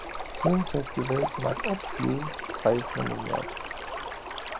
Filmfestivals Max Ophüls Preis nominiert.